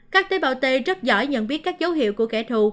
các tế bào t rất giỏi nhận biết các dấu hiệu của kẻ thù